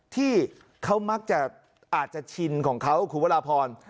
ที่เขามักจะอาจจะชินของเขาคุณวราพร